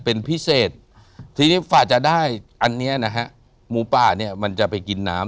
เป็นพิเศษทีนี้ฝ่าจะได้อันเนี้ยนะฮะหมูป่าเนี่ยมันจะไปกินน้ำ